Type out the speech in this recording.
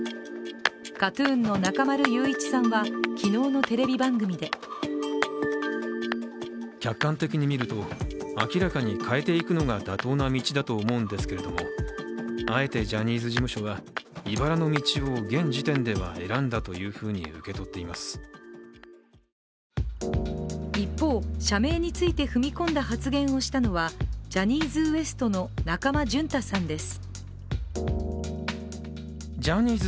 ＫＡＴ−ＴＵＮの中丸雄一さんは昨日のテレビ番組で一方、社名について踏み込んだ発言をしたのはジャニーズＷＥＳＴの中間淳太さんです。